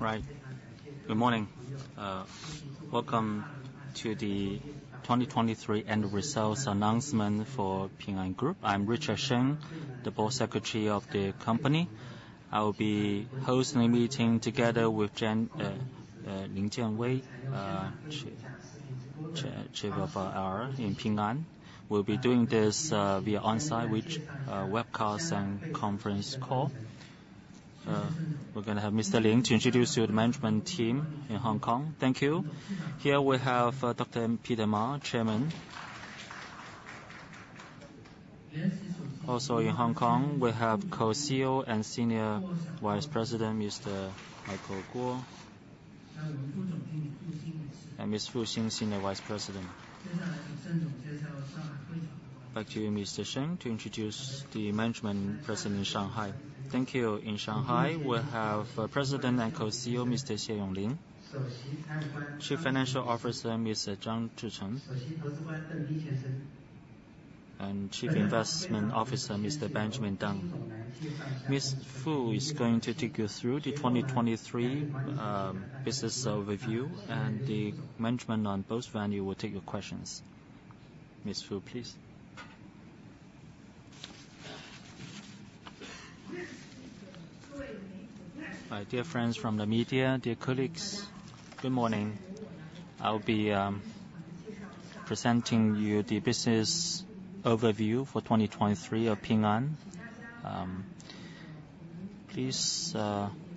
Right. Good morning. Welcome to the 2023 End-of-results Announcement for Ping An Group. I'm Richard Sheng, the board secretary of the company. I will be hosting the meeting together with Jen, Lin Jianwei, chair of our in Ping An. We'll be doing this via onsite, which webcast and conference call. We're gonna have Mr. Lin to introduce you to the management team in Hong Kong. Thank you. Here we have Dr. Peter Ma, chairman. Also, in Hong Kong, we have Co-CEO and senior vice president, Mr. Michael Guo. And Mr. Fu Xin, senior vice president. Back to you, Mr. Sheng, to introduce the management president in Shanghai. Thank you. In Shanghai, we have president and Co-CEO, Mr. Xie Yonglin. 首席财务官。Chief Financial Officer, Mr. Zhang Zhichun. 首席投资官，邓斌先生。Chief Investment Officer, Mr. Benjamin Deng. Mr. Fu is going to take you through the 2023 business overview, and the management on both venues will take your questions. Mr. Fu, please. All right. Dear friends from the media, dear colleagues, good morning. I'll be presenting you the business overview for 2023 of Ping An. Please,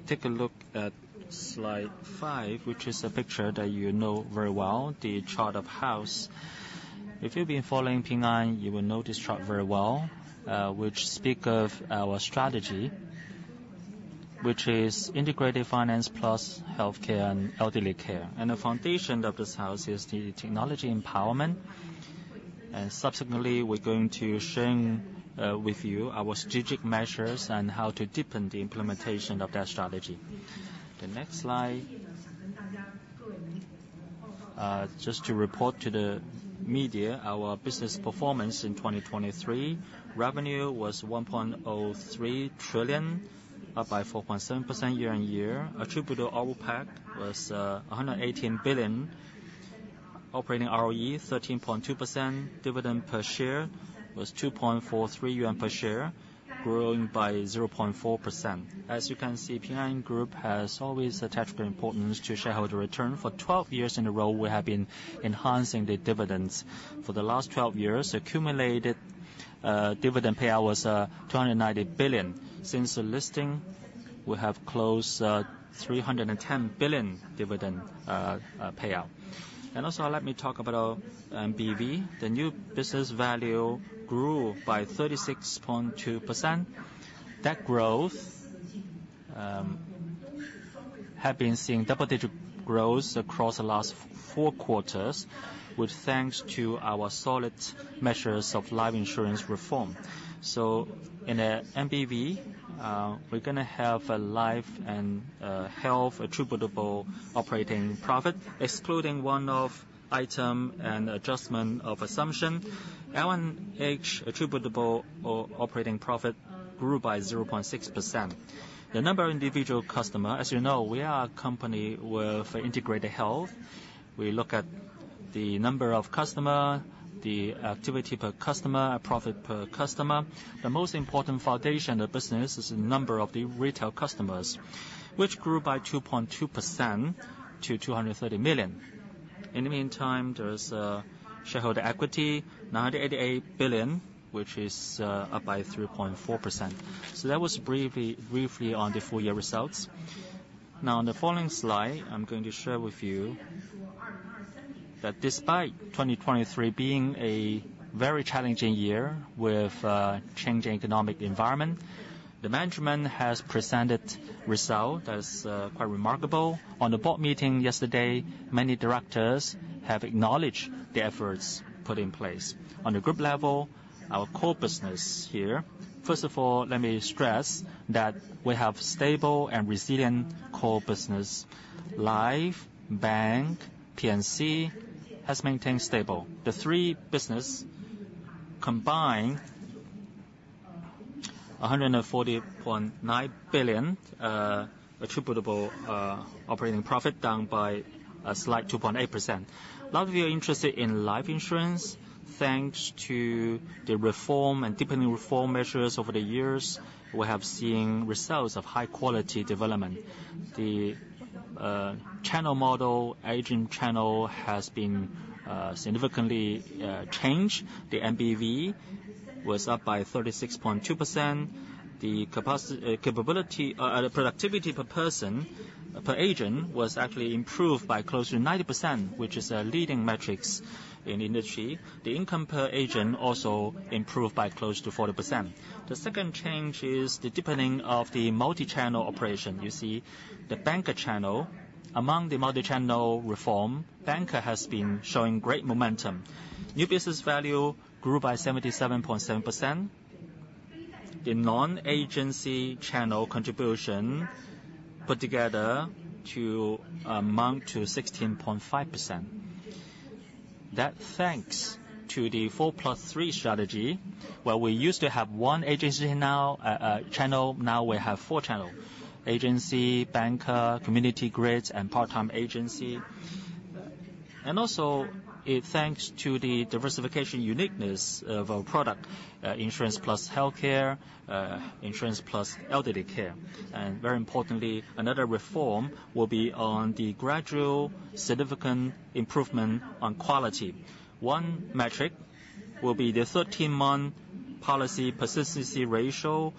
take a look at slide 5, which is a picture that you know very well, the chart of house. If you've been following Ping An, you will know this chart very well, which speaks of our strategy, which is integrated finance plus healthcare and elderly care. The foundation of this house is the technology empowerment. Subsequently, we're going to share with you our strategic measures and how to deepen the implementation of that strategy. The next slide. Just to report to the media, our business performance in 2023, revenue was 1.03 trillion, up by 4.7% year-over-year. Attributable OPAT was 118 billion. Operating ROE 13.2%. Dividend per share was 2.43 yuan per share, growing by 0.4%. As you can see, Ping An Group has always attached great importance to shareholder return. For 12 years in a row, we have been enhancing the dividends. For the last 12 years, accumulated dividend payout was 290 billion. Since the listing, we have closed 310 billion dividend payout. Also, let me talk about BV. The new business value grew by 36.2%. That growth had been seeing double-digit growth across the last 4 quarters, which thanks to our solid measures of life insurance reform. So in NBV, we're gonna have a life and health attributable operating profit, excluding one-off item and adjustment of assumption. L&H attributable operating profit grew by 0.6%. The number of individual customers as you know, we are a company with integrated health. We look at the number of customers, the activity per customer, and profit per customer. The most important foundation of the business is the number of the retail customers, which grew by 2.2% to 230 million. In the meantime, there is shareholder equity, 988 billion, which is up by 3.4%. So that was briefly on the full-year results. Now, on the following slide, I'm going to share with you that despite 2023 being a very challenging year with changing economic environment, the management has presented results that's quite remarkable. On the board meeting yesterday, many directors have acknowledged the efforts put in place. On the group level, our core business here, first of all, let me stress that we have stable and resilient core business. Life, Bank, P&C has maintained stable. The three businesses combined 140.9 billion, attributable operating profit down by a slight 2.8%. A lot of you are interested in life insurance. Thanks to the reform and deepening reform measures over the years, we have seen results of high-quality development. The channel model, agent channel, has been significantly changed. The MBV was up by 36.2%. The capacity, capability, productivity per person, per agent, was actually improved by close to 90%, which is a leading metric in the industry. The income per agent also improved by close to 40%. The second change is the deepening of the multi-channel operation. You see the banca channel. Among the multi-channel reform, banker has been showing great momentum. New business value grew by 77.7%. The non-agency channel contribution put together amounts to 16.5%. That's thanks to the 4+3 strategy, where we used to have one agency now, channel. Now we have 4 channels: agency, banker, community grids, and part-time agency. Also, it's thanks to the diversification uniqueness of our product, insurance plus healthcare, insurance plus elderly care. Very importantly, another reform will be on the gradual significant improvement on quality. One metric will be the 13-month policy persistency ratio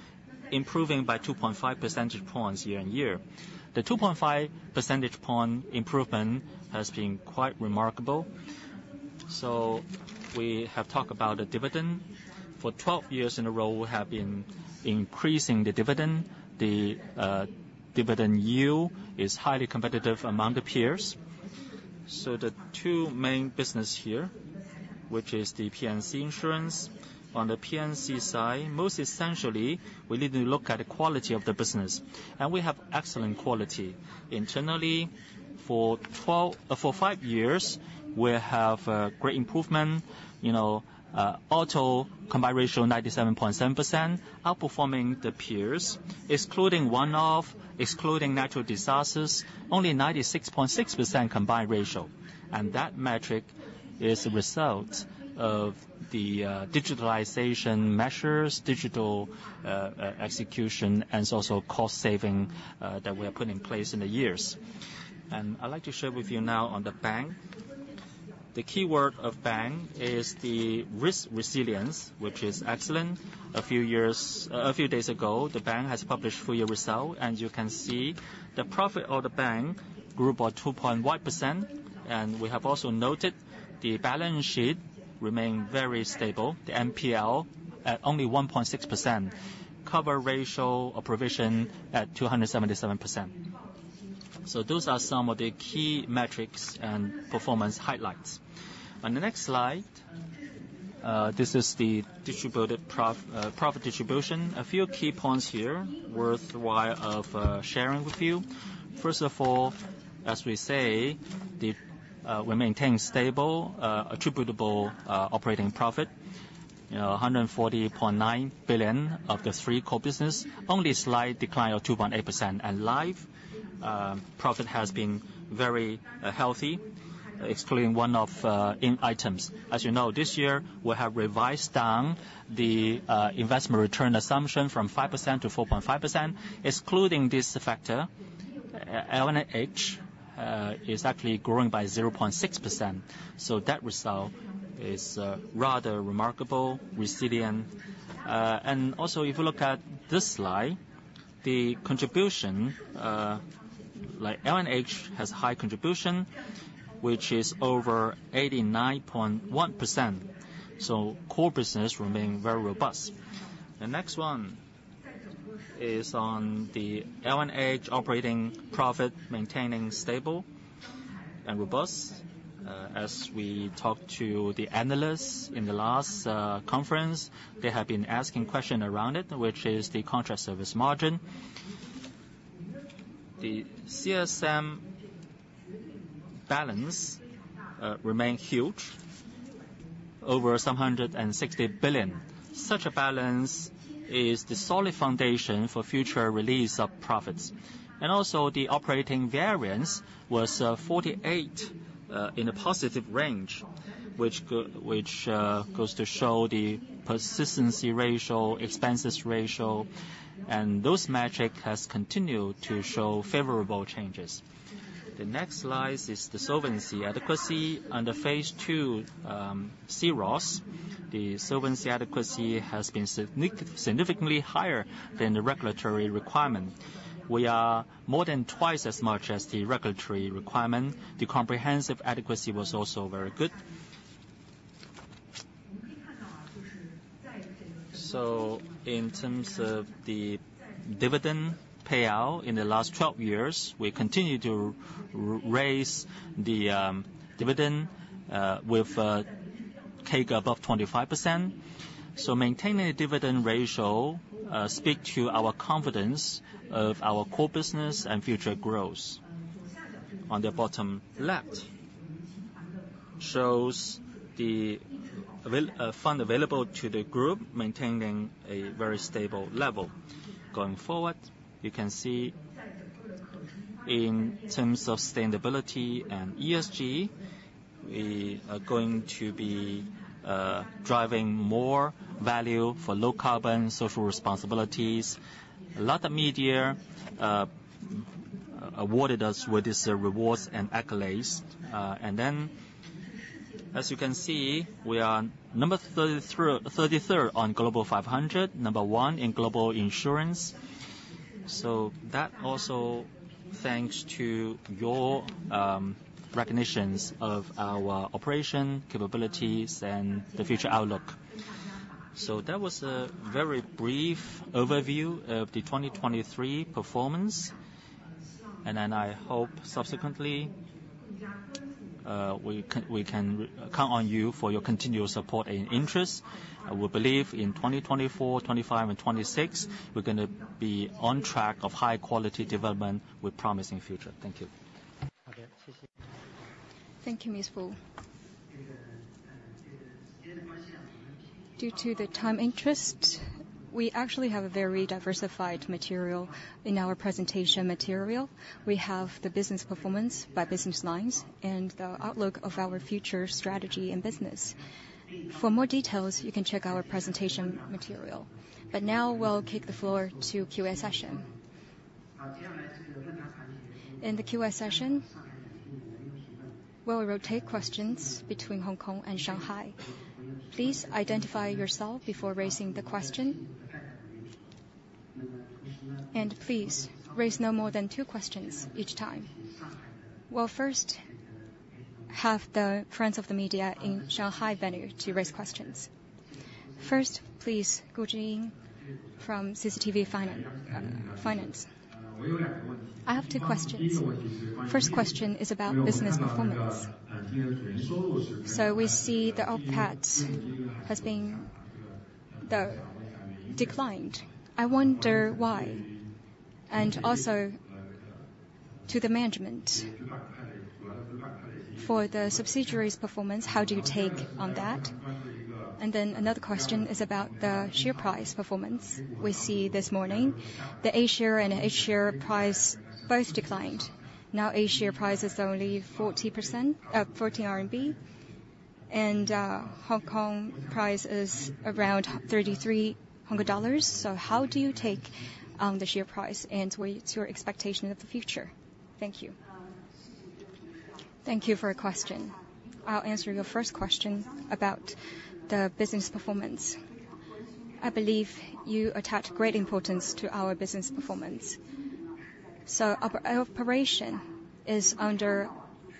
improving by 2.5 percentage points year-on-year. The 2.5 percentage point improvement has been quite remarkable. We have talked about the dividend. For 12 years in a row, we have been increasing the dividend. The dividend yield is highly competitive among the peers. The two main business here, which is the P&C insurance. On the P&C side, most essentially, we need to look at the quality of the business. We have excellent quality. Internally, for 12 for five years, we have great improvement. You know, auto combined ratio 97.7%, outperforming the peers, excluding one-off, excluding natural disasters, only 96.6% combined ratio. That metric is a result of the digitalization measures, digital execution, and also cost-saving that we have put in place in the years. I'd like to share with you now on the bank. The keyword of bank is the risk resilience, which is excellent. A few years, a few days ago, the bank has published full-year results, and you can see the profit of the bank grew by 2.1%. We have also noted the balance sheet remained very stable, the NPL at only 1.6%, cover ratio or provision at 277%. So those are some of the key metrics and performance highlights. On the next slide, this is the distributed profit distribution. A few key points here worthwhile of sharing with you. First of all, as we say, we maintain stable attributable operating profit, you know, 140.9 billion of the three core business, only slight decline of 2.8%. L&H profit has been very healthy, excluding one-off items. As you know, this year, we have revised down the investment return assumption from 5% to 4.5%, excluding this factor. L&H is actually growing by 0.6%. So that result is rather remarkable, resilient. And also, if you look at this slide, the contribution, like, L&H has high contribution, which is over 89.1%. So core business remains very robust. The next one is on the L&H operating profit maintaining stable and robust. As we talked to the analysts in the last conference, they have been asking questions around it, which is the contractual service margin. The CSM balance remained huge, over some 160 billion. Such a balance is the solid foundation for future release of profits. Also, the operating variance was 48 in a positive range, which goes to show the persistency ratio, expenses ratio. And those metrics have continued to show favorable changes. The next slide is the solvency adequacy. Under phase 2, C-ROSS, the solvency adequacy has been significantly higher than the regulatory requirement. We are more than twice as much as the regulatory requirement. The comprehensive adequacy was also very good. So in terms of the dividend payout in the last 12 years, we continue to raise the dividend with CAGR above 25%. So maintaining the dividend ratio speaks to our confidence of our core business and future growth. On the bottom left shows the available fund available to the group maintaining a very stable level. Going forward, you can see in terms of sustainability and ESG, we are going to be driving more value for low-carbon social responsibilities. A lot of media awarded us with this rewards and accolades. And then, as you can see, we are number 33rd on Global 500, number 1 in global insurance. So that also thanks to your recognitions of our operation, capabilities, and the future outlook. So that was a very brief overview of the 2023 performance. And then I hope subsequently, we can count on you for your continual support and interest. I will believe in 2024, 2025, and 2026, we're gonna be on track of high-quality development with promising future. Thank you. Thank you, Mr. Fu. Due to the time interest, we actually have a very diversified material in our presentation material. We have the business performance by business lines and the outlook of our future strategy and business. For more details, you can check our presentation material. But now, we'll kick the floor to Q&A session. In the Q&A session, we'll rotate questions between Hong Kong and Shanghai. Please identify yourself before raising the question. And please raise no more than two questions each time. We'll first have the friends of the media in Shanghai venue to raise questions. First, please, Gu Jinying from CCTV Finance. I have two questions. First question is about business performance. So we see the OpEx has been declined. I wonder why. And also, to the management, for the subsidiaries' performance, how do you take on that? Another question is about the share price performance we see this morning. The A-share and H-share price both declined. Now, A-share price is only 40.14 RMB. And Hong Kong price is around 33.00 Hong Kong dollars. So how do you take on the share price and what's your expectation of the future? Thank you. Thank you for your question. I'll answer your first question about the business performance. I believe you attach great importance to our business performance. So our operation is under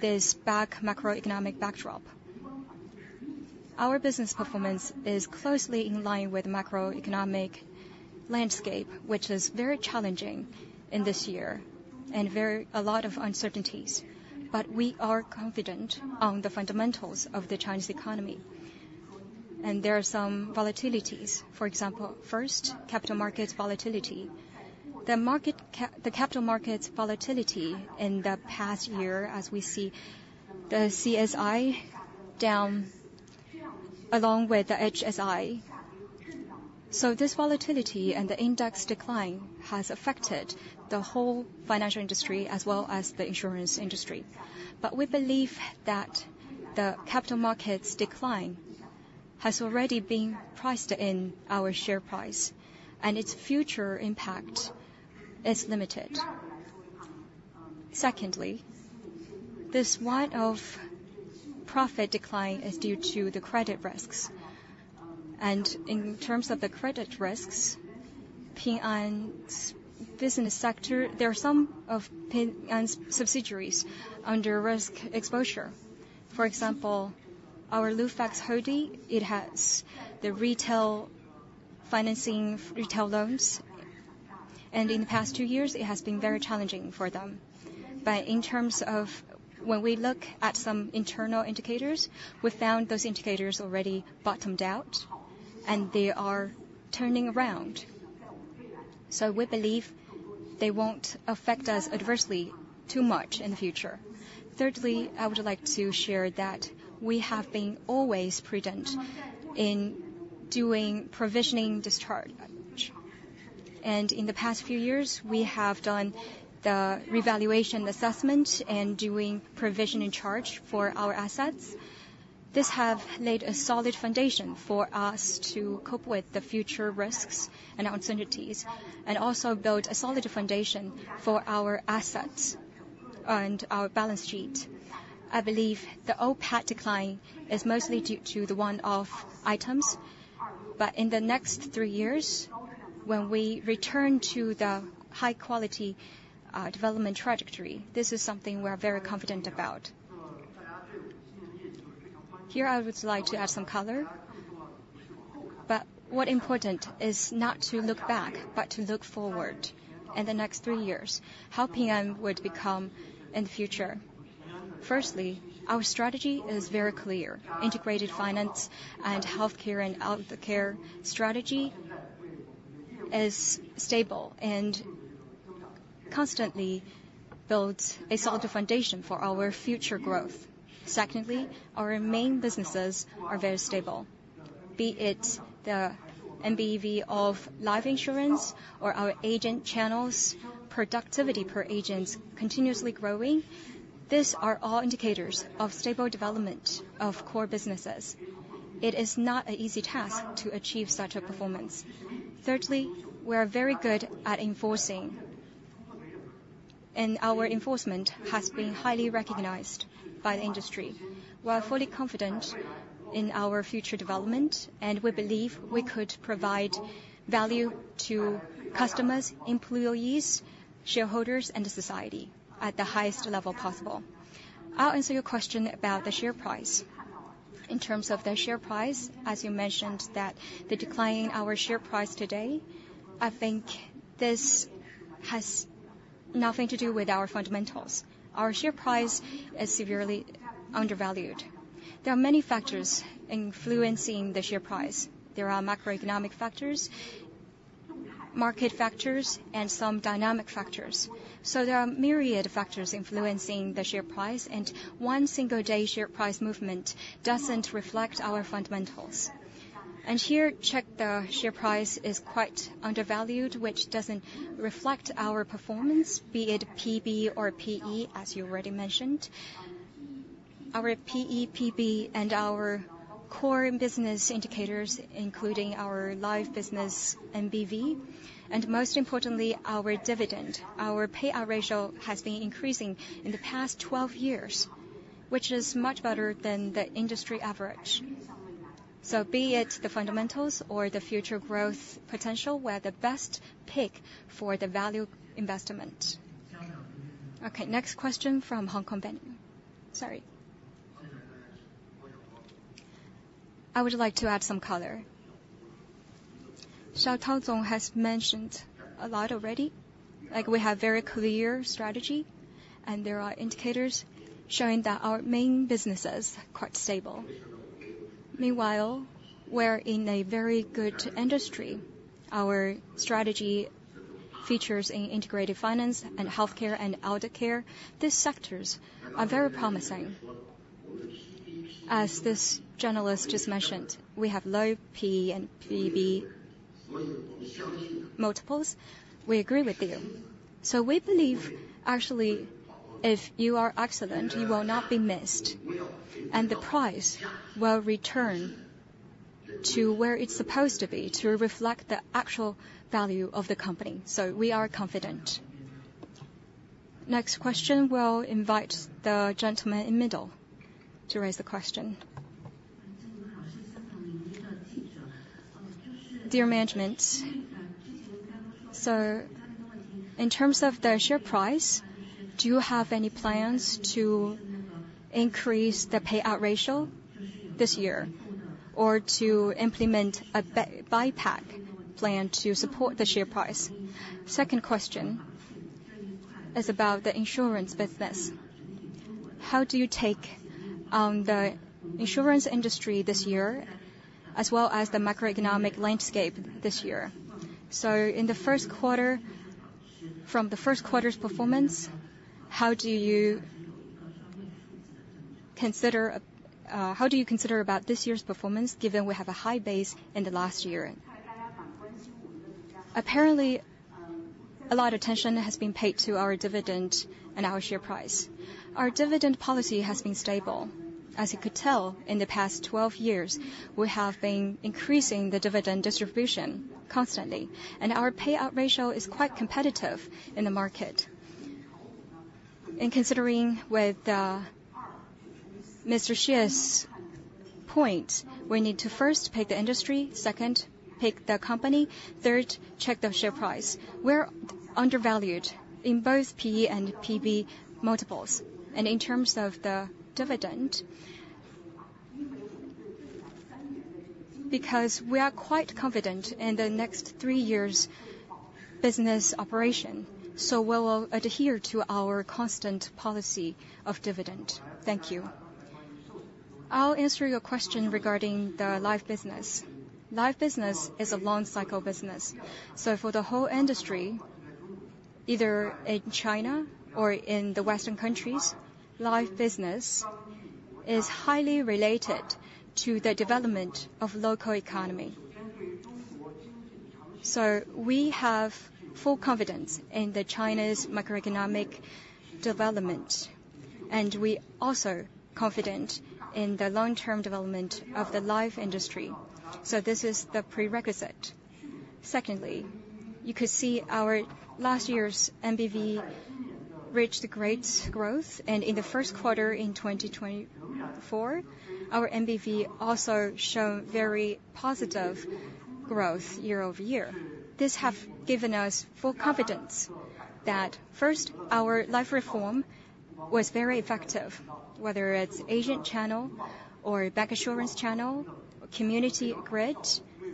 this macroeconomic backdrop. Our business performance is closely in line with the macroeconomic landscape, which is very challenging in this year and very a lot of uncertainties. But we are confident on the fundamentals of the Chinese economy. There are some volatilities. For example, first, capital markets volatility. The capital markets volatility in the past year, as we see the CSI down along with the HSI. So this volatility and the index decline has affected the whole financial industry as well as the insurance industry. But we believe that the capital markets decline has already been priced in our share price, and its future impact is limited. Secondly, this wide profit decline is due to the credit risks. And in terms of the credit risks, Ping An's business sector, there are some of Ping An's subsidiaries under risk exposure. For example, our Lufax Holding, it has the retail financing, retail loans. And in the past two years, it has been very challenging for them. But in terms of when we look at some internal indicators, we found those indicators already bottomed out, and they are turning around. We believe they won't affect us adversely too much in the future. Thirdly, I would like to share that we have been always prudent in doing provisioning charge. In the past few years, we have done the revaluation assessment and doing provisioning charge for our assets. This has laid a solid foundation for us to cope with the future risks and uncertainties and also build a solid foundation for our assets and our balance sheet. I believe the OpEx decline is mostly due to the one-off items. In the next 3 years, when we return to the high-quality development trajectory, this is something we're very confident about. Here, I would like to add some color. What is important is not to look back but to look forward in the next 3 years, how Ping An would become in the future. Firstly, our strategy is very clear. Integrated finance and healthcare and O2O care strategy is stable and constantly builds a solid foundation for our future growth. Secondly, our main businesses are very stable, be it the MBV of life insurance or our agent channels, productivity per agents continuously growing. These are all indicators of stable development of core businesses. It is not an easy task to achieve such a performance. Thirdly, we are very good at execution, and our execution has been highly recognized by the industry. We are fully confident in our future development, and we believe we could provide value to customers, employees, shareholders, and society at the highest level possible. I'll answer your question about the share price. In terms of the share price, as you mentioned that the decline in our share price today, I think this has nothing to do with our fundamentals. Our share price is severely undervalued. There are many factors influencing the share price. There are macroeconomic factors, market factors, and some dynamic factors. So there are myriad factors influencing the share price, and one single day share price movement doesn't reflect our fundamentals. And here, check, the share price is quite undervalued, which doesn't reflect our performance, be it PB or PE, as you already mentioned. Our PE, PB, and our core business indicators, including our life business MBV, and most importantly, our dividend, our payout ratio has been increasing in the past 12 years, which is much better than the industry average. So be it the fundamentals or the future growth potential were the best pick for the value investment. Okay, next question from Hong Kong venue. Sorry. I would like to add some color. Xiaotao has mentioned a lot already. Like, we have very clear strategy, and there are indicators showing that our main business is quite stable. Meanwhile, we're in a very good industry. Our strategy features integrated finance and healthcare and elderly care. These sectors are very promising. As this journalist just mentioned, we have low PE and PB multiples. We agree with you. So we believe, actually, if you are excellent, you will not be missed, and the price will return to where it's supposed to be to reflect the actual value of the company. So we are confident. Next question. We'll invite the gentleman in the middle to raise the question. Dear management, so in terms of the share price, do you have any plans to increase the payout ratio this year or to implement a buyback plan to support the share price? Second question is about the insurance business. How do you take on the insurance industry this year as well as the macroeconomic landscape this year? So in the first quarter from the first quarter's performance, how do you consider how do you consider about this year's performance given we have a high base in the last year? Apparently, a lot of attention has been paid to our dividend and our share price. Our dividend policy has been stable. As you could tell, in the past 12 years, we have been increasing the dividend distribution constantly, and our payout ratio is quite competitive in the market. In considering with Mr. Xie's point, we need to first pick the industry, second, pick the company, third, check the share price. We're undervalued in both PE and PB multiples. In terms of the dividend, because we are quite confident in the next three years' business operation, so we'll adhere to our constant policy of dividend. Thank you. I'll answer your question regarding the life business. Life business is a long-cycle business. So for the whole industry, either in China or in the Western countries, life business is highly related to the development of the local economy. So we have full confidence in China's macroeconomic development, and we are also confident in the long-term development of the life industry. So this is the prerequisite. Secondly, you could see our last year's MBV reached great growth, and in the first quarter in 2024, our MBV also showed very positive growth year-over-year. This has given us full confidence that, first, our life reform was very effective, whether it's agent channel or bancassurance channel or community grid.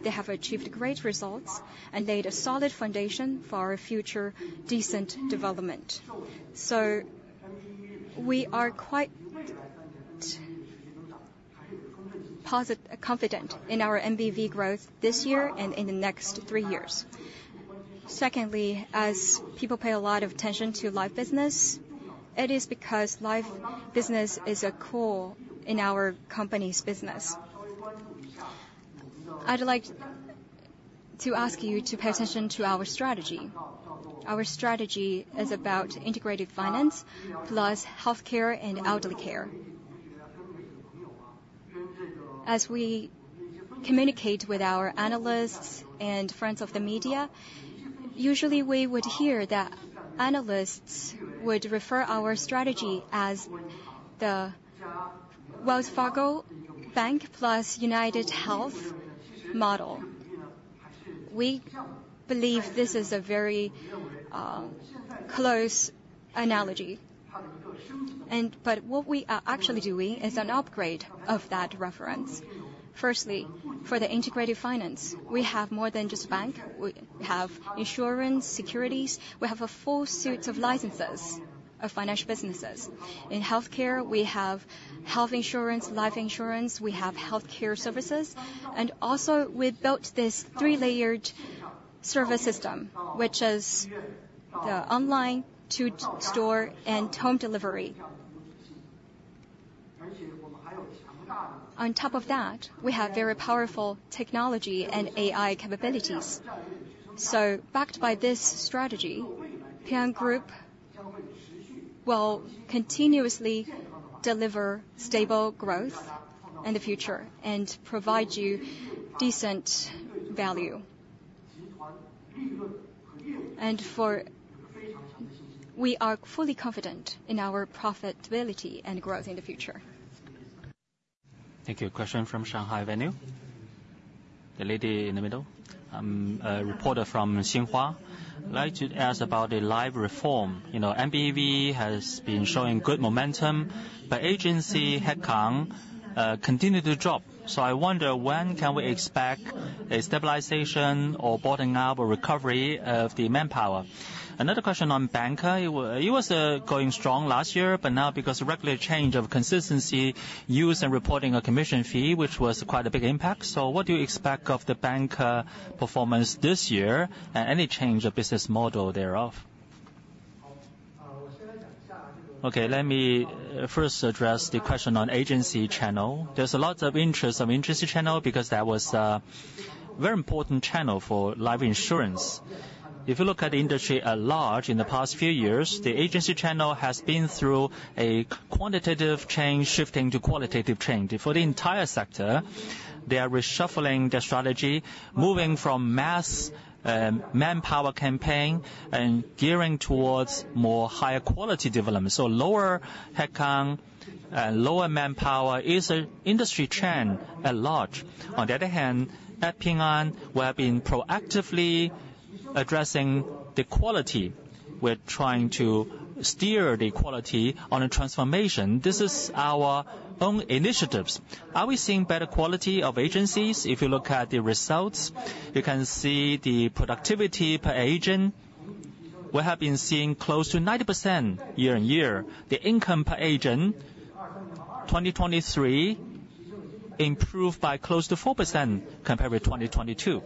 They have achieved great results and laid a solid foundation for our future decent development. We are quite positive confident in our MBV growth this year and in the next three years. Secondly, as people pay a lot of attention to life business, it is because life business is a core in our company's business. I'd like to ask you to pay attention to our strategy. Our strategy is about integrated finance plus healthcare and out-of-the-care. As we communicate with our analysts and friends of the media, usually, we would hear that analysts would refer our strategy as the Wells Fargo Bank plus UnitedHealth model. We believe this is a very close analogy. But what we are actually doing is an upgrade of that reference. Firstly, for the integrated finance, we have more than just a bank. We have insurance, securities. We have a full suite of licenses of financial businesses. In healthcare, we have health insurance, life insurance. We have healthcare services. And also, we built this three-layered service system, which is the online to store and home delivery. On top of that, we have very powerful technology and AI capabilities. So backed by this strategy, Ping An Group will continuously deliver stable growth in the future and provide you decent value. And for we are fully confident in our profitability and growth in the future. Thank you. Question from Shanghai venue. The lady in the middle. I'm a reporter from Xinhua. I'd like to ask about the life reform. You know, MBV has been showing good momentum, but agency headcount continued to drop. So I wonder, when can we expect a stabilization or bottoming out or recovery of the manpower? Another question on banker. It was going strong last year, but now because of regulatory change of consistency, use and reporting a commission fee, which was quite a big impact. So what do you expect of the banker performance this year and any change of business model thereof? Okay. Let me first address the question on agency channel. There's a lot of interest on agency channel because that was a very important channel for life insurance. If you look at the industry at large in the past few years, the agency channel has been through a quantitative change shifting to qualitative change. For the entire sector, they are reshuffling their strategy, moving from mass, manpower campaign and gearing towards more higher-quality development. So lower headcount and lower manpower is an industry trend at large. On the other hand, at Ping An, we have been proactively addressing the quality. We're trying to steer the quality on a transformation. This is our own initiatives. Are we seeing better quality of agencies? If you look at the results, you can see the productivity per agent. We have been seeing close to 90% year-on-year. The income per agent 2023 improved by close to 4% compared with 2022.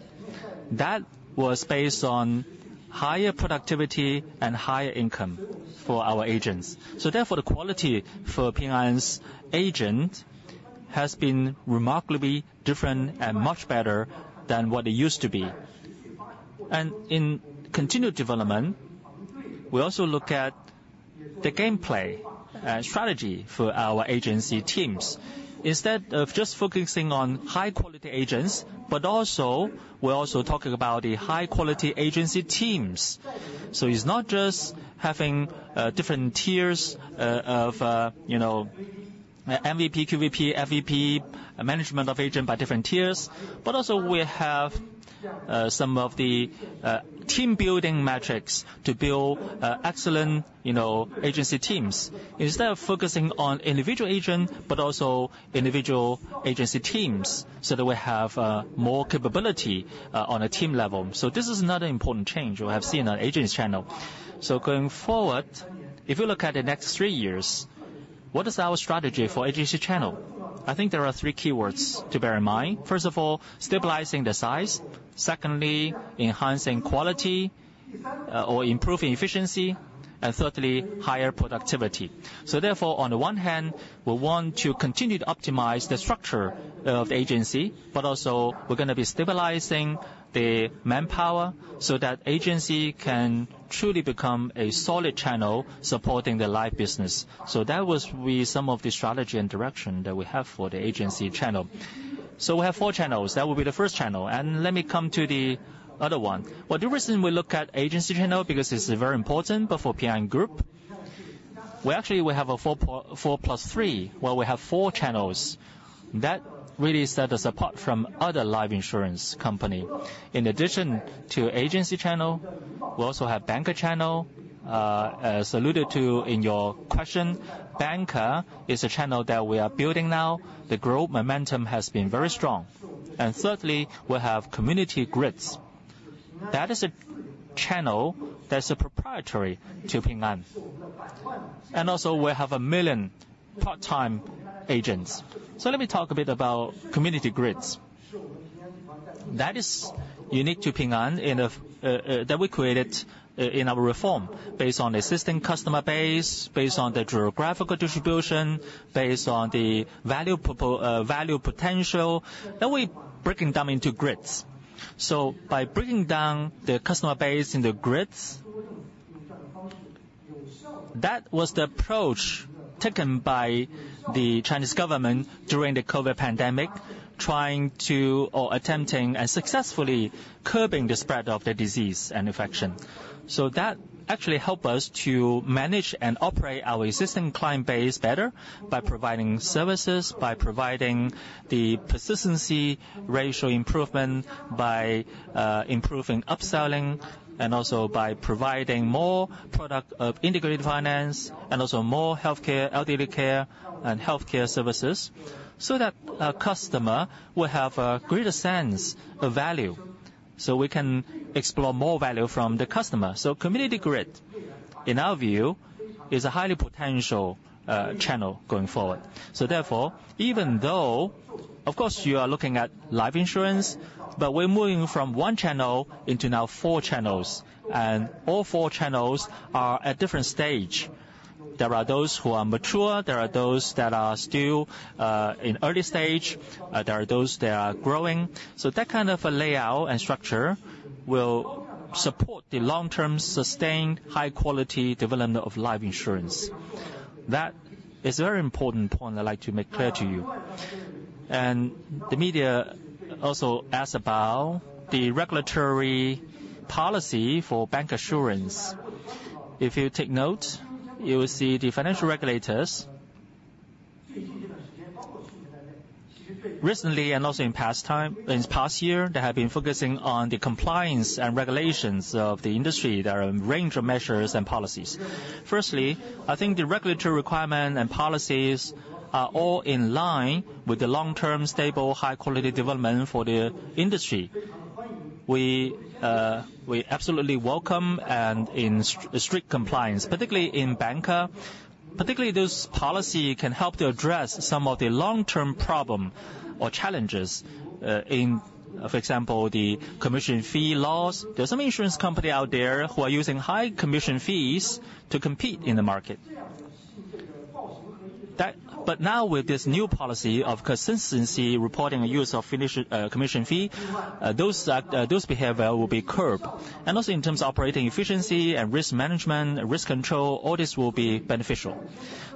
That was based on higher productivity and higher income for our agents. So therefore, the quality for Ping An's agent has been remarkably different and much better than what it used to be. And in continued development, we also look at the gameplay and strategy for our agency teams instead of just focusing on high-quality agents, but also we're also talking about the high-quality agency teams. So it's not just having, different tiers, of, you know, MVP, QVP, FVP, management of agent by different tiers. But also, we have some of the team-building metrics to build excellent, you know, agency teams instead of focusing on individual agent but also individual agency teams so that we have more capability on a team level. So this is another important change we have seen on agency channel. So going forward, if you look at the next three years, what is our strategy for agency channel? I think there are three keywords to bear in mind. First of all, stabilizing the size. Secondly, enhancing quality, or improving efficiency. And thirdly, higher productivity. So therefore, on the one hand, we want to continue to optimize the structure of the agency, but also, we're going to be stabilizing the manpower so that agency can truly become a solid channel supporting the life business. So that was some of the strategy and direction that we have for the agency channel. We have four channels. That will be the first channel. Let me come to the other one. Well, the reason we look at agency channel because it's very important, but for Ping An Group, we actually we have a four plus three where we have four channels. That really is the support from other life insurance companies. In addition to agency channel, we also have banker channel. As alluded to in your question, banker is a channel that we are building now. The growth momentum has been very strong. Thirdly, we have community grids. That is a channel that's proprietary to Ping An. Also, we have 1 million part-time agents. So let me talk a bit about community grids. That is unique to Ping An in a way that we created, in our reform based on the existing customer base, based on the geographical distribution, based on the value proposition potential. Then we breaking them into grids. So by breaking down the customer base in the grids, that was the approach taken by the Chinese government during the COVID pandemic, trying to or attempting and successfully curbing the spread of the disease and infection. So that actually helped us to manage and operate our existing client base better by providing services, by providing the persistency ratio improvement, by improving upselling, and also by providing more product of integrated finance and also more healthcare, out-of-the-care, and healthcare services so that customer will have a greater sense of value. So we can explore more value from the customer. So Community Grid, in our view, is a highly potential channel going forward. So therefore, even though, of course, you are looking at life insurance, but we're moving from one channel into now four channels, and all four channels are at different stages. There are those who are mature. There are those that are still in early stage. There are those that are growing. So that kind of a layout and structure will support the long-term sustained high-quality development of life insurance. That is a very important point I'd like to make clear to you. And the media also asked about the regulatory policy for bancassurance. If you take note, you will see the financial regulators recently and also in past time in this past year, they have been focusing on the compliance and regulations of the industry. There are a range of measures and policies. Firstly, I think the regulatory requirement and policies are all in line with the long-term stable, high-quality development for the industry. We absolutely welcome and in strict compliance, particularly in banker, particularly those policy can help to address some of the long-term problem or challenges, for example, the commission fee laws. There's some insurance company out there who are using high commission fees to compete in the market. That, but now with this new policy of consistency reporting and use of finish commission fee, those act those behavior will be curbed. And also in terms of operating efficiency and risk management, risk control, all this will be beneficial.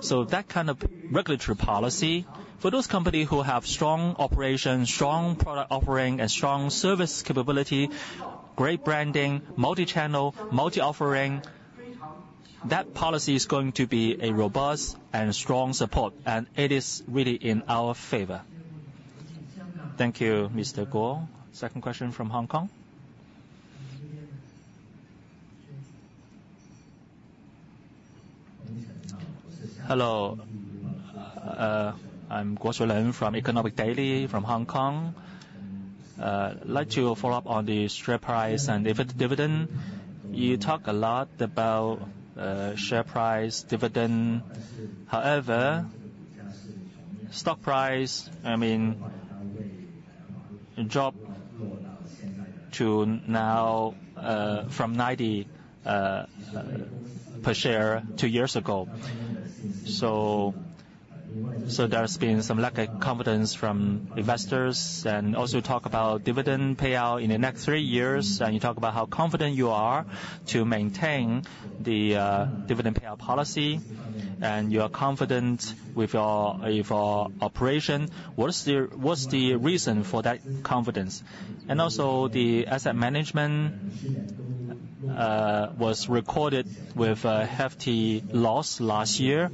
So that kind of regulatory policy for those company who have strong operation, strong product offering, and strong service capability, great branding, multi-channel, multi-offering, that policy is going to be a robust and strong support, and it is really in our favor. Thank you, Mr. Guo. Second question from Hong Kong. Hello. I'm Guo Xuelin from Economic Daily from Hong Kong. I'd like to follow up on the share price and dividend. You talk a lot about, share price, dividend. However, stock price, I mean, dropped to now, from 90 per share two years ago. So there's been some lack of confidence from investors and also talk about dividend payout in the next three years, and you talk about how confident you are to maintain the dividend payout policy, and you are confident with your operation. What's the reason for that confidence? And also, the asset management was recorded with a hefty loss last year.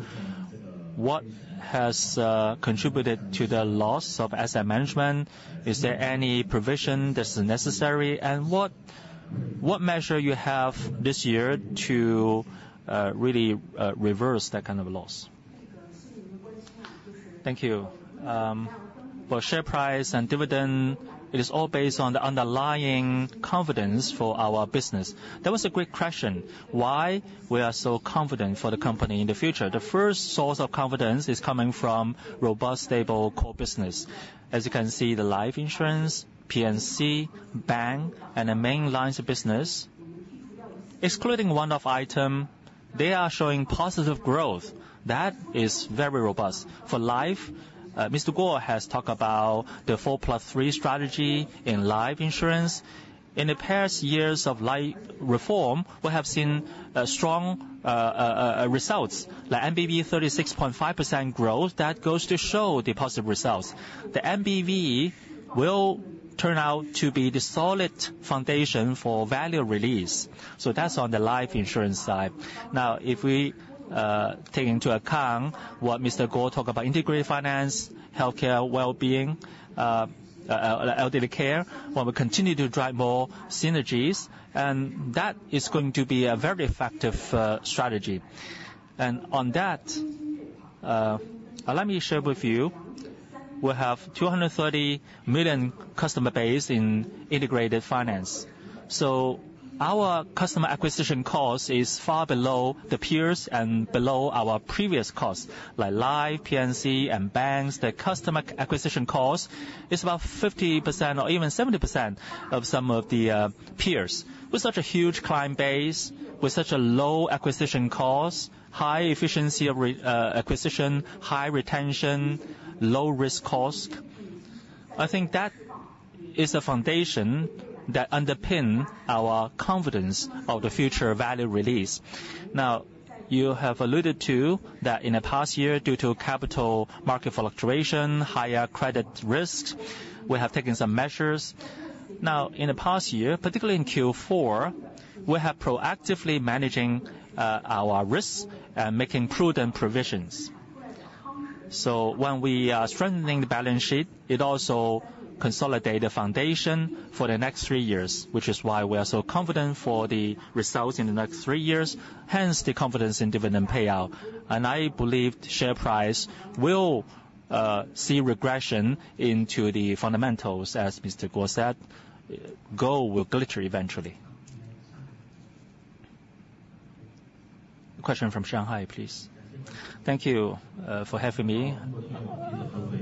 What has contributed to the loss of asset management? Is there any provision that's necessary? And what measure you have this year to really reverse that kind of loss? Thank you. For share price and dividend, it is all based on the underlying confidence for our business. That was a great question. Why we are so confident for the company in the future? The first source of confidence is coming from robust, stable core business. As you can see, the life insurance, P&C, bank, and the main lines of business, excluding one-off item, they are showing positive growth. That is very robust. For life, Mr. Guo has talked about the 4+3 strategy in life insurance. In the past years of life reform, we have seen strong results like MBV 36.5% growth. That goes to show the positive results. The MBV will turn out to be the solid foundation for value release. So that's on the life insurance side. Now, if we take into account what Mr. Guo talked about, integrated finance, healthcare, well-being, O2O care, when we continue to drive more synergies, and that is going to be a very effective strategy. And on that, let me share with you, we have 230 million customer base in integrated finance. So our customer acquisition cost is far below the peers and below our previous costs like life, P&C, and banks. The customer acquisition cost is about 50% or even 70% of some of the peers. With such a huge client base, with such a low acquisition cost, high efficiency of re acquisition, high retention, low risk cost, I think that is a foundation that underpin our confidence of the future value release. Now, you have alluded to that in the past year, due to capital market fluctuation, higher credit risk, we have taken some measures. Now, in the past year, particularly in Q4, we have proactively managing, our risks and making prudent provisions. So when we, strengthening the balance sheet, it also consolidate the foundation for the next three years, which is why we are so confident for the results in the next three years, hence the confidence in dividend payout. And I believe share price will, see regression into the fundamentals, as Mr. Guo said. Goal will glitter eventually. Question from Shanghai, please. Thank you, for having me.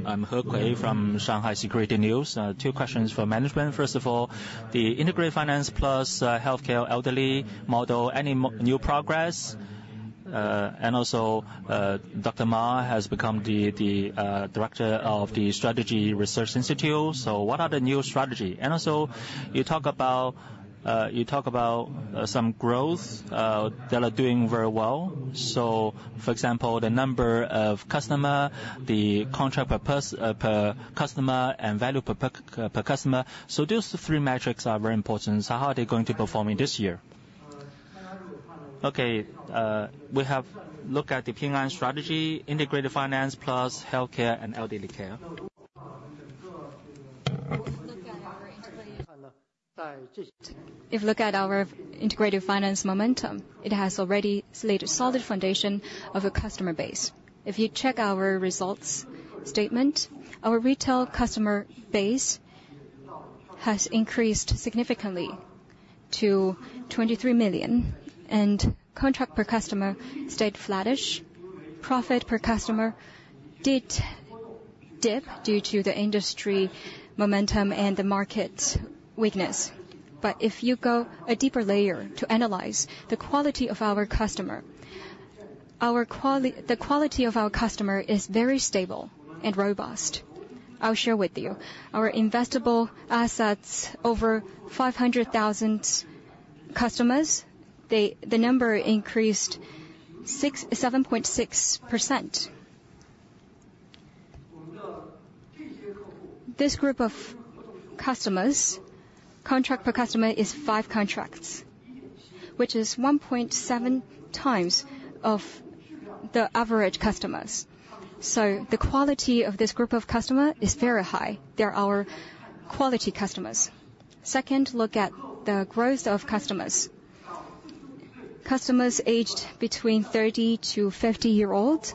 I'm He Kui from Shanghai Securities News. Two questions for management. First of all, the integrated finance plus, healthcare, elderly model, any mo new progress? And also, Dr. Ma has become the director of the Strategy Research Institute. So what are the new strategy? And also, you talk about some growth that are doing very well. For example, the number of customers, the contract per customer, and value per customer. Those three metrics are very important. So how are they going to perform in this year? Okay. We have a look at the Ping An strategy, integrated finance plus healthcare and out-of-the-care. If you look at our integrated finance momentum, it has already laid a solid foundation of a customer base. If you check our results statement, our retail customer base has increased significantly to 23 million, and contract per customer stayed flattish. Profit per customer did dip due to the industry momentum and the market weakness. But if you go a deeper layer to analyze the quality of our customer, our quality, the quality of our customer is very stable and robust. I'll share with you. Our investable assets over 500,000 customers, the number increased 67.6%. This group of customers, contract per customer is 5 contracts, which is 1.7 times of the average customers. So the quality of this group of customer is very high. They are our quality customers. Second, look at the growth of customers. Customers aged between 30-50-year-olds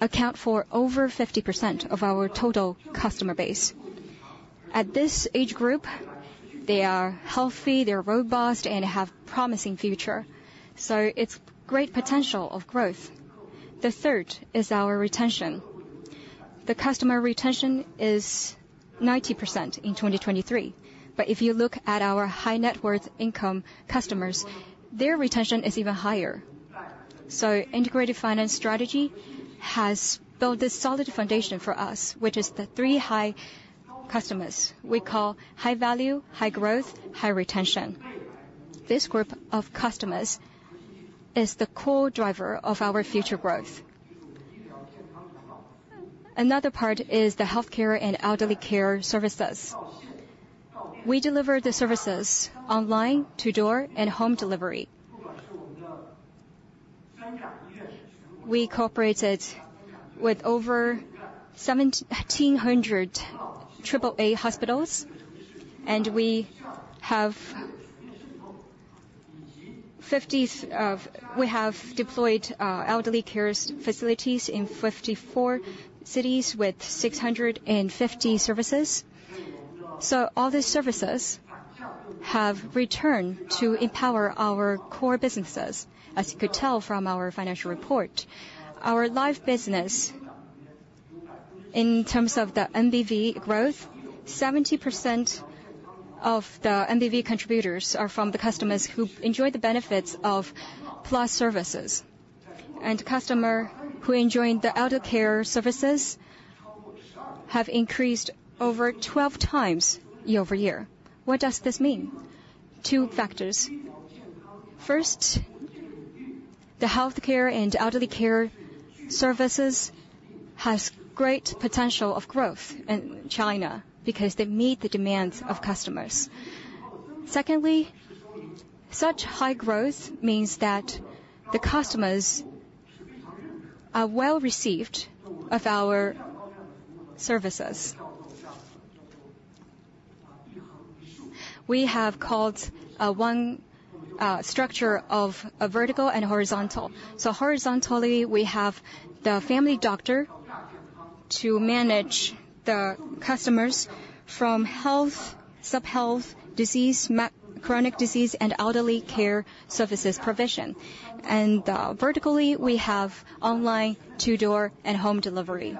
account for over 50% of our total customer base. At this age group, they are healthy, they're robust, and they have promising future. So it's great potential of growth. The third is our retention. The customer retention is 90% in 2023. But if you look at our high net worth income customers, their retention is even higher. Integrated finance strategy has built this solid foundation for us, which is the three high customers we call high value, high growth, high retention. This group of customers is the core driver of our future growth. Another part is the healthcare and elderly care services. We deliver the services online, to-store, and home delivery. We cooperated with over 1,700 AAA hospitals, and we have 50 we have deployed elderly care facilities in 54 cities with 650 services. So all these services have returned to empower our core businesses, as you could tell from our financial report. Our life business, in terms of the MBV growth, 70% of the MBV contributors are from the customers who enjoy the benefits of plus services. And customer who enjoying the elder care services have increased over 12 times year-over-year. What does this mean? Two factors. First, the healthcare and elderly care services has great potential of growth in China because they meet the demands of customers. Secondly, such high growth means that the customers are well received of our services. We have called one structure of a vertical and horizontal. So horizontally, we have the family doctor to manage the customers from health, subhealth, disease, major chronic disease, and elderly care services provision. Vertically, we have online, to-store, and home delivery.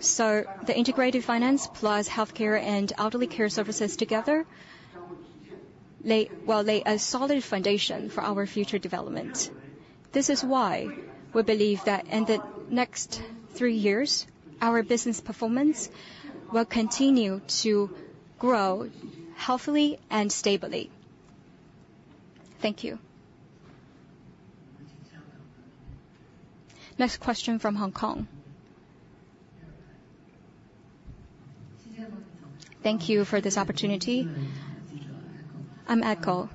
So the integrated finance plus healthcare and elderly care services together lay well a solid foundation for our future development. This is why we believe that in the next three years, our business performance will continue to grow healthily and stably. Thank you. Next question from Hong Kong. Thank you for this opportunity. I'm Echo.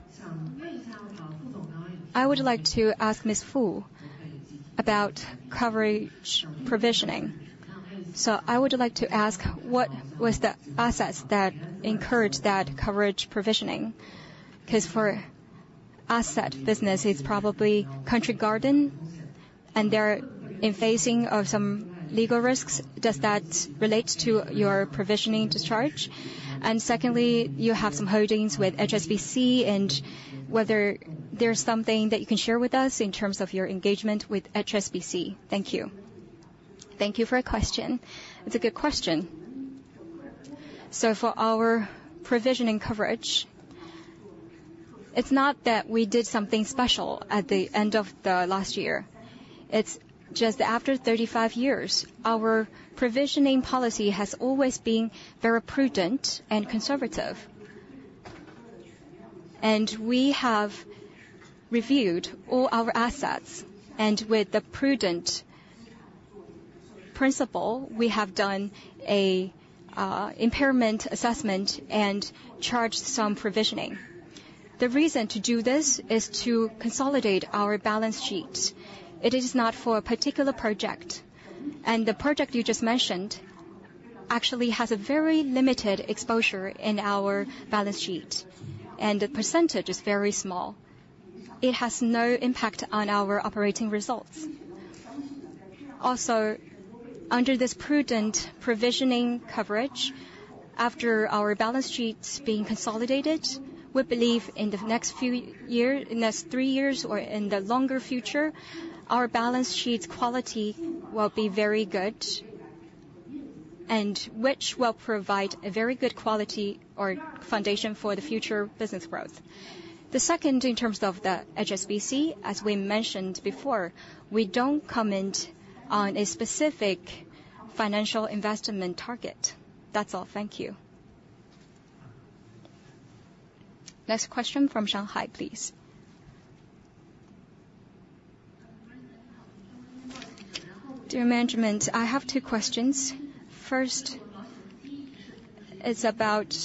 I would like to ask Miss Fu about provision coverage? So I would like to ask, what were the assets that incurred that coverage provisioning? Because for asset business, it's probably Country Garden, and they're facing some legal risks. Does that relate to your provisioning charge? And secondly, you have some holdings with HSBC, and whether there's something that you can share with us in terms of your engagement with HSBC. Thank you. Thank you for a question. It's a good question. So for our provisioning coverage, it's not that we did something special at the end of the last year. It's just that after 35 years, our provisioning policy has always been very prudent and conservative. And we have reviewed all our assets, and with the prudent principle, we have done an impairment assessment and charged some provisioning. The reason to do this is to consolidate our balance sheet. It is not for a particular project. And the project you just mentioned actually has a very limited exposure in our balance sheet, and the percentage is very small. It has no impact on our operating results. Also, under this prudent provisioning coverage, after our balance sheets being consolidated, we believe in the next few year in the next three years or in the longer future, our balance sheet's quality will be very good, and which will provide a very good quality or foundation for the future business growth. The second, in terms of the HSBC, as we mentioned before, we don't comment on a specific financial investment target. That's all. Thank you. Next question from Shanghai, please. Dear management, I have two questions. First, it's about,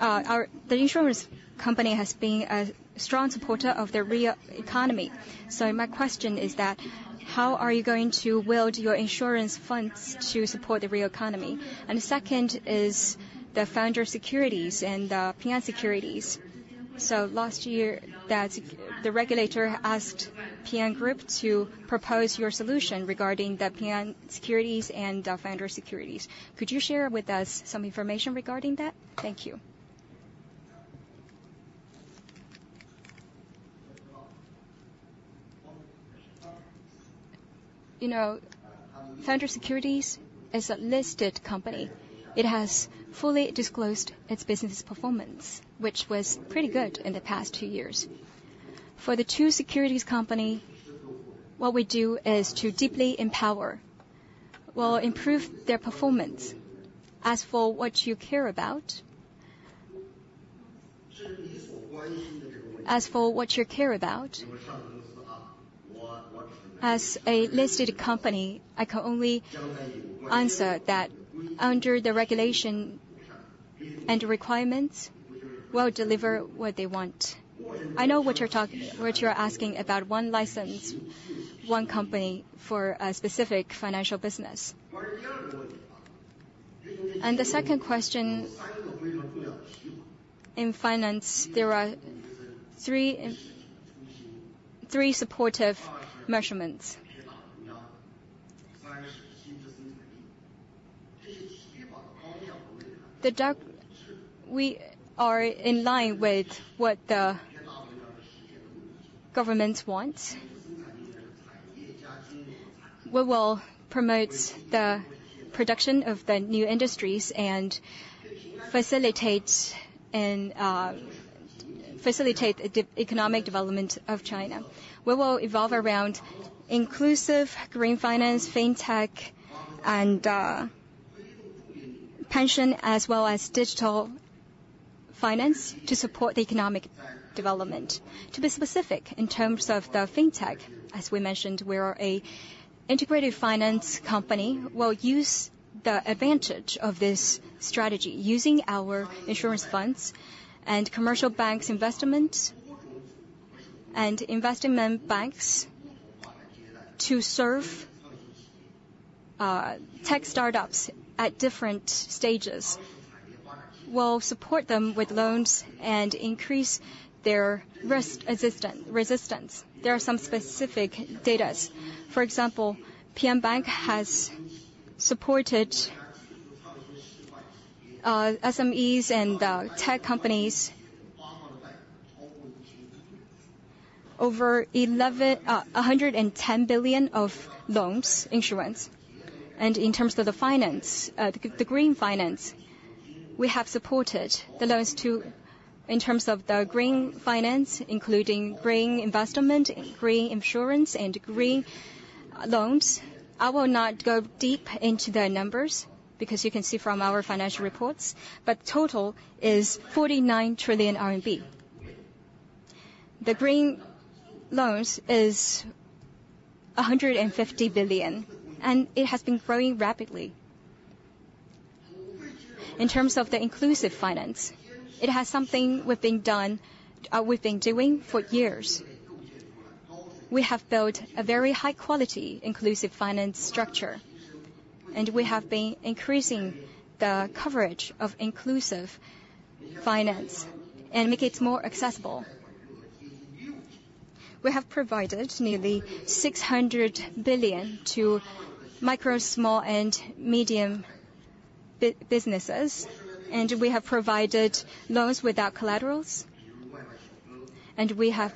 our the insurance company has been a strong supporter of the real economy. So my question is that, how are you going to wield your insurance funds to support the real economy? And the second is the Founder Securities and the Ping An Securities. So last year, that sec the regulator asked Ping An Group to propose your solution regarding the Ping An Securities and the Founder Securities. Could you share with us some information regarding that? Thank you. You know, Founder Securities is a listed company. It has fully disclosed its business performance, which was pretty good in the past two years. For the two securities company, what we do is to deeply empower well, improve their performance as for what you care about. As for what you care about, as a listed company, I can only answer that under the regulation and requirements, we'll deliver what they want. I know what you're talking about what you're asking about one license, one company for a specific financial business. The second question, in finance, there are three supportive measurements. The doc we are in line with what the governments want. We will promote the production of the new industries and facilitate the economic development of China. We will revolve around inclusive green finance, fintech, and pension as well as digital finance to support the economic development. To be specific, in terms of the fintech, as we mentioned, we are an integrated finance company. We'll use the advantage of this strategy, using our insurance funds and commercial banks' investments and investment banks to serve tech startups at different stages. We'll support them with loans and increase their risk assistance resistance. There are some specific data. For example, Ping An Bank has supported SMEs and tech companies over 1,110 billion of loans and insurance. In terms of the finance, the green finance, we have supported the loans to in terms of the green finance, including green investment, green insurance, and green loans. I will not go deep into the numbers because you can see from our financial reports, but total is 49 trillion RMB. The green loans is 150 billion, and it has been growing rapidly. In terms of the inclusive finance, it has something we've been doing for years. We have built a very high-quality inclusive finance structure, and we have been increasing the coverage of inclusive finance and make it more accessible. We have provided nearly 600 billion to micro, small, and medium businesses, and we have provided loans without collaterals. We have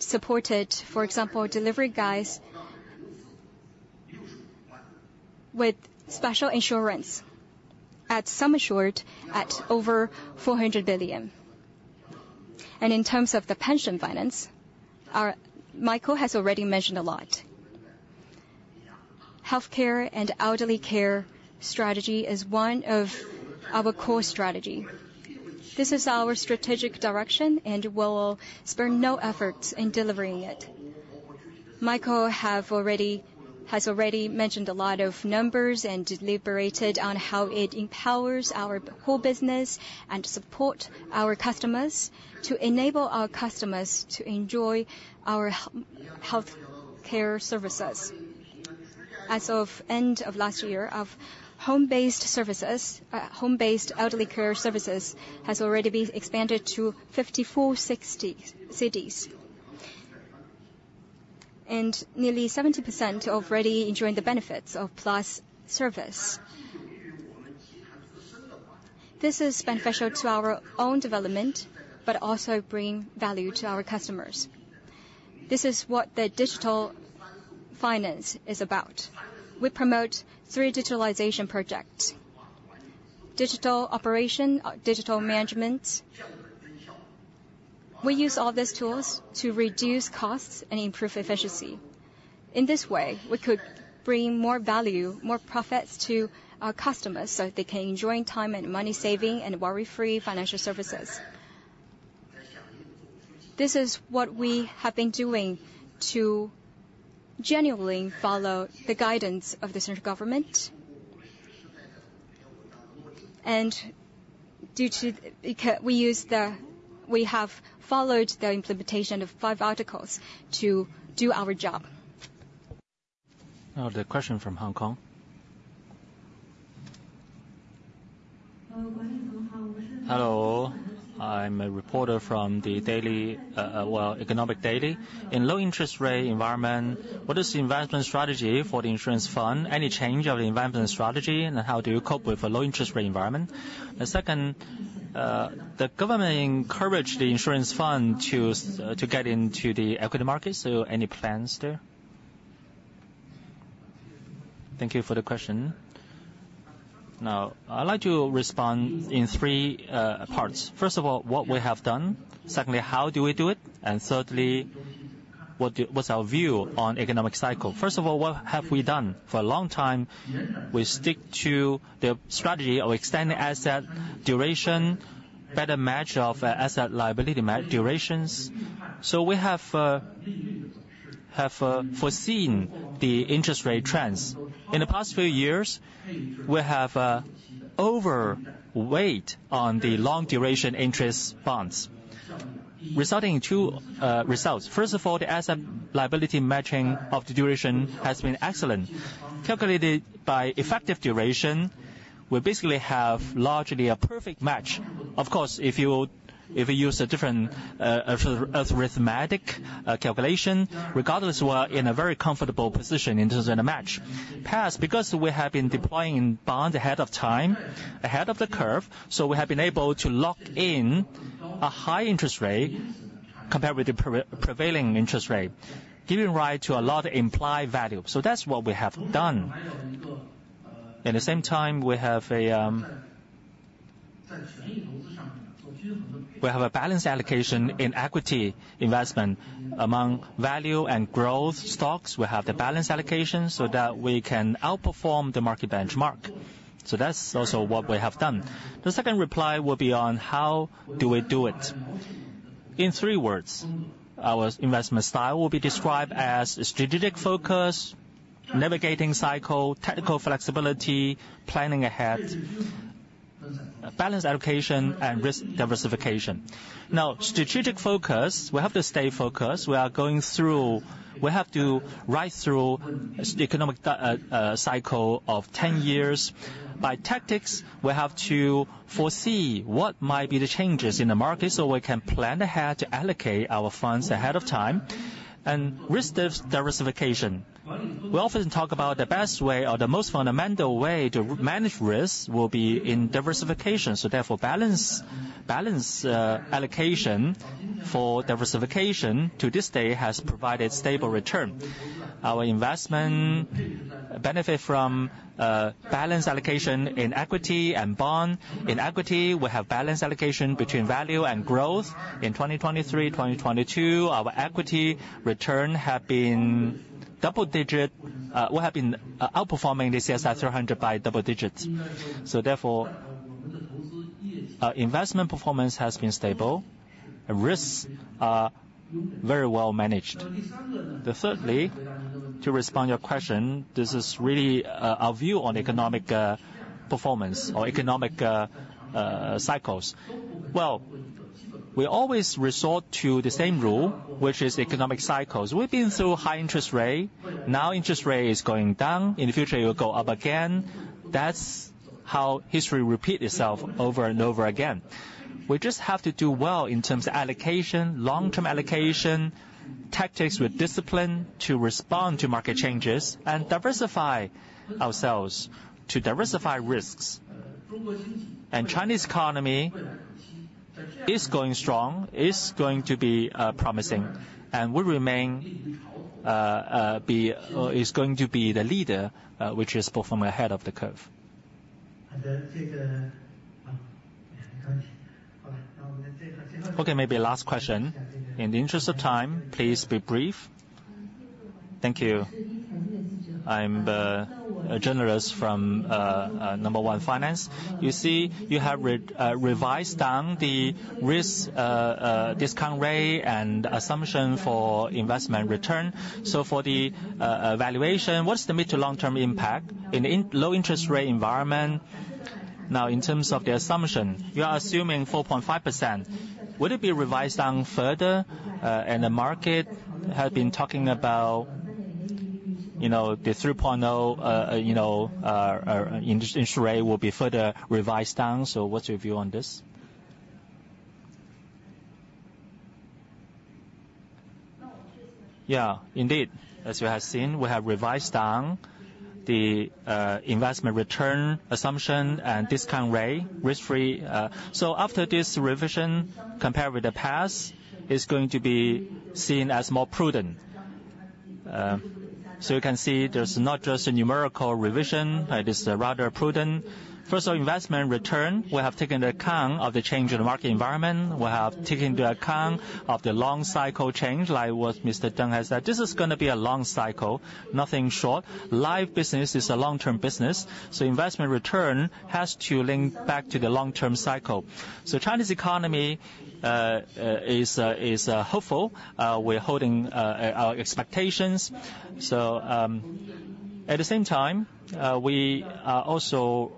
supported, for example, delivery guys with special insurance at Summershort at over 400 billion. In terms of the pension finance, our Michael has already mentioned a lot. Healthcare and elderly care strategy is one of our core strategy. This is our strategic direction, and we'll spend no efforts in delivering it. Michael has already mentioned a lot of numbers and deliberated on how it empowers our whole business and support our customers to enable our customers to enjoy our healthcare services. As of end of last year, home-based elderly care services has already been expanded to 5,460 cities, and nearly 70% already enjoying the benefits of plus service. This is beneficial to our own development but also bring value to our customers. This is what the digital finance is about. We promote three digitalization projects: digital operation, digital management. We use all these tools to reduce costs and improve efficiency. In this way, we could bring more value, more profits to our customers so they can enjoy time and money saving and worry-free financial services. This is what we have been doing to genuinely follow the guidance of the central government. And because we have followed the implementation of five articles to do our job. Now, the question from Hong Kong. Hello. I'm a reporter from the Economic Daily. In low-interest rate environment, what is the investment strategy for the insurance fund? Any change of the investment strategy, and how do you cope with a low-interest rate environment? And second, the government encouraged the insurance fund to get into the equity market. So any plans there? Thank you for the question. Now, I'd like to respond in three parts. First of all, what we have done. Secondly, how do we do it? And thirdly, what's our view on economic cycle? First of all, what have we done? For a long time, we stick to the strategy of extended asset duration, better match of asset liability management durations. So we have foreseen the interest rate trends. In the past few years, we have overweight on the long-duration interest bonds, resulting in two results. First of all, the asset liability matching of the duration has been excellent. Calculated by effective duration, we basically have largely a perfect match. Of course, if you use a different arithmetic calculation, regardless, we're in a very comfortable position in terms of the match. Past, because we have been deploying bonds ahead of time, ahead of the curve, so we have been able to lock in a high interest rate compared with the prevailing interest rate, giving right to a lot of implied value. So that's what we have done. At the same time, we have a balance allocation in equity investment among value and growth stocks. We have the balance allocation so that we can outperform the market benchmark. So that's also what we have done. The second reply will be on how do we do it. In three words, our investment style will be described as strategic focus, navigating cycle, technical flexibility, planning ahead, balance allocation, and risk diversification. Now, strategic focus, we have to stay focused. We are going through, we have to ride through the economic down cycle of 10 years. By tactics, we have to foresee what might be the changes in the market so we can plan ahead to allocate our funds ahead of time. Risk diversification, we often talk about the best way or the most fundamental way to manage risk will be in diversification. So therefore, balanced allocation for diversification to this day has provided stable return. Our investment benefits from balanced allocation in equity and bond. In equity, we have balanced allocation between value and growth. In 2023, 2022, our equity return have been double-digit we have been outperforming the CSI 300 by double digits. So therefore, investment performance has been stable. Risks are very well managed. Thirdly, to respond to your question, this is really our view on economic performance or economic cycles. Well, we always resort to the same rule, which is economic cycles. We've been through high interest rate. Now, interest rate is going down. In the future, it will go up again. That's how history repeats itself over and over again. We just have to do well in terms of allocation, long-term allocation, tactics with discipline to respond to market changes, and diversify ourselves to diversify risks. And Chinese economy is going strong, is going to be, promising, and will remain, be or is going to be the leader, which is performing ahead of the curve. Okay. Maybe last question. In the interest of time, please be brief. Thank you. I'm Gu Jinying from Number One Finance. You see, you have revised down the risk discount rate and assumption for investment return. So for the valuation, what's the mid to long-term impact in the low-interest rate environment? Now, in terms of the assumption, you are assuming 4.5%. Will it be revised down further? The market has been talking about, you know, the 3.0, you know, industry rate will be further revised down. So what's your view on this? Yeah. Indeed, as you have seen, we have revised down the investment return assumption and discount rate, risk-free. After this revision compared with the past, it's going to be seen as more prudent. You can see there's not just a numerical revision. It is rather prudent. First of all, investment return, we have taken into account of the change in the market environment. We have taken into account of the long cycle change. Like what Mr. Deng has said, this is going to be a long cycle, nothing short. Life business is a long-term business. Investment return has to link back to the long-term cycle. Chinese economy is hopeful. We're holding our expectations. So, at the same time, we are also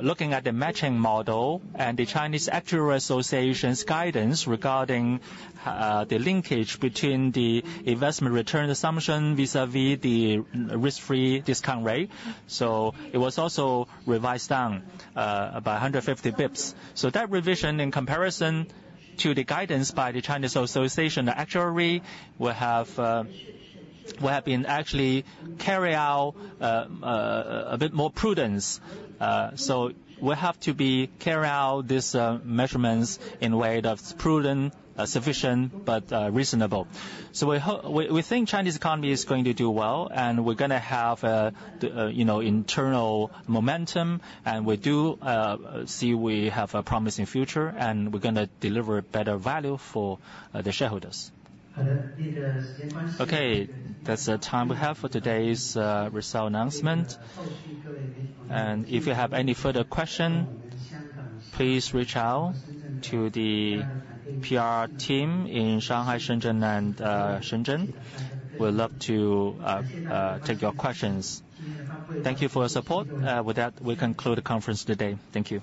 looking at the matching model and the Chinese Association of Actuaries' guidance regarding the linkage between the investment return assumption vis-à-vis the risk-free discount rate. So it was also revised down by 150 basis points. So that revision, in comparison to the guidance by the Chinese Association of Actuaries, we have actually carried out a bit more prudence. So we have to carry out these measurements in a way that's prudent, sufficient, but reasonable. So we, we think Chinese economy is going to do well, and we're going to have a, you know, internal momentum, and we do see we have a promising future, and we're going to deliver better value for the shareholders. Okay. That's the time we have for today's result announcement. If you have any further questions, please reach out to the PR team in Shanghai, Shenzhen, and Shenzhen. We'd love to take your questions. Thank you for your support. With that, we conclude the conference today. Thank you.